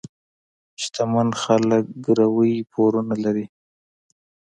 شتمن خلک ګروۍ پورونه لري.